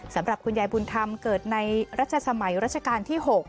สำหรับคุณยายบุญธรรมเกิดในรัชสมัยรัชกาลที่๖